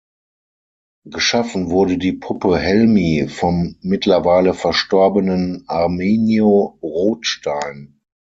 Geschaffen wurde die Puppe Helmi vom mittlerweile verstorbenen Arminio Rothstein.